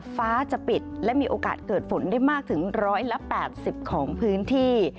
ฟ้าจะปิดและมีโอกาสเกิดฝนได้มากถึง๑๘๐ของพื้นที่